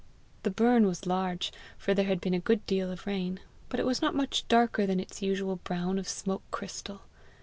The burn was large, for there had been a good deal of rain, but it was not much darker than its usual brown of smoke crystal.